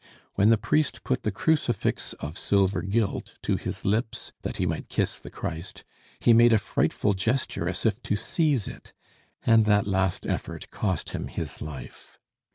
When the priest put the crucifix of silver gilt to his lips, that he might kiss the Christ, he made a frightful gesture, as if to seize it; and that last effort cost him his life.